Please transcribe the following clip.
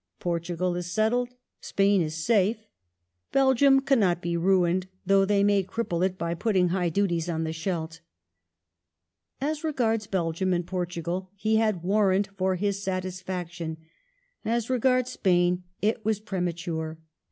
" Portugal is settled ; Spain is safe ; Belgium cannot be ruined, though they may cripple it by putting high duties on the Scheldt." As regards Belgium and Portugal he had warrant for his satisfaction ; as regards Spain it was premature.